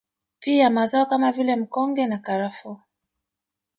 Pia mazao kama vile mkonge na karafuu